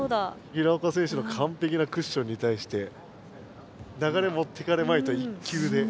平岡選手のかんぺきなクッションに対して流れ持っていかれまいと１球で。